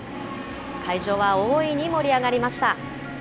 会場は大いに盛り上がりました。